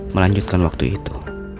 melanjutkan waktu itu